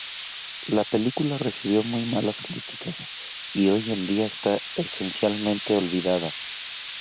La película recibió muy malas críticas y hoy en día está esencialmente olvidada.